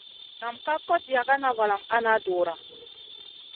Nam ka kot yagana valam a na dura.